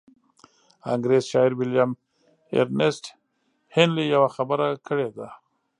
انګرېز شاعر ويليام ايرنيسټ هينلي يوه خبره کړې ده.